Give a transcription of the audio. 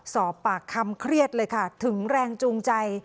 สอบปากคำเครียดเลยค่ะถึงแรงจูงใจ